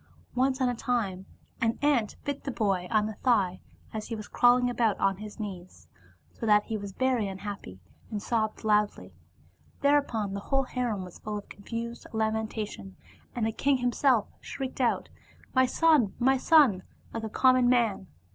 Once on a time an ant bit the boy on the thigh as he was crawling about on his knees, so that he was very unhappy and sobbed loudly. Thereupon the whole harem was full of confused lamenta* tion, and the king himself shrieked out ' My son I my son 1 * like a common man.